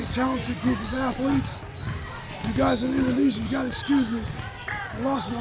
siapapun di indonesia maafkan saya saya kehilangan suara saya